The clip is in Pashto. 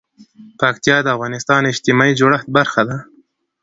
پکتیا د افغانستان د اجتماعي جوړښت برخه ده.